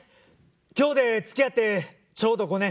今日でつきあってちょうど５年。